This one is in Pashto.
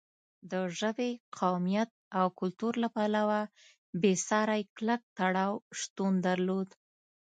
د ژبې، قومیت او کلتور له پلوه بېساری کلک تړاو شتون درلود.